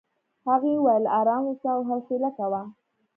هغې وویل ارام اوسه او حوصله کوه.